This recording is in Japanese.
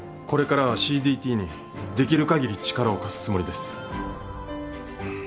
これからはＣＤＴにできる限り力を貸すつもりです。